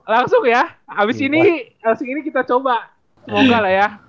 langsung ya abis ini kita coba semoga lah ya